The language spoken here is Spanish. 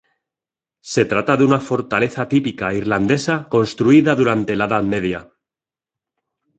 Se trata de una fortaleza típica irlandesa construida durante la Edad Media.